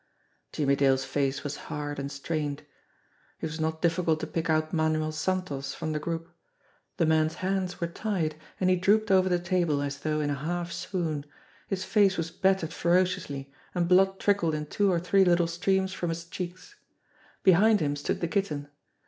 Jimmie Dale's face was hard and strained. It was not difficult to pick out Manuel Santos from the group ! The man's hands were tied, and he drooped over the table as though in a half swoon ; his face was battered ferociously, and blood trickled in two or three little streams from his 240 JIMMIE DALE AND THE PHANTOM CLUE cheeks. Behind him stood the Kitten.